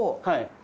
はい。